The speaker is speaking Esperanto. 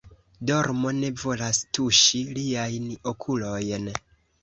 Dormo ne volas tuŝi liajn okulojn.